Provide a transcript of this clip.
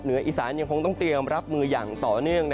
อีสานยังคงต้องเตรียมรับมืออย่างต่อเนื่อง